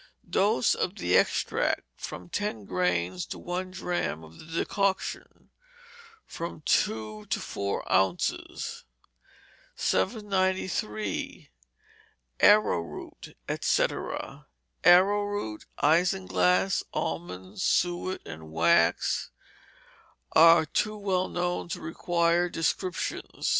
Dose, of the extract, from ten grains to one drachm; of the decoction, from two to four ounces. 793. Arrowroot etc. Arrowroot, islinglass, almonds, suet, and wax, are too well known to require descriptions.